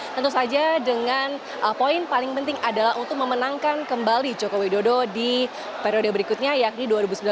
tentu saja dengan poin paling penting adalah untuk memenangkan kembali joko widodo di periode berikutnya yakni dua ribu sembilan belas dua ribu dua puluh